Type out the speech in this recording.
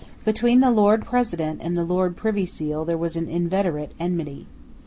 Between the Lord President and the Lord Privy Seal there was an inveterate enmity.